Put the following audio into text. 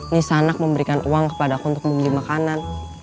nisa anak memberikan uang kepada aku untuk membeli makanan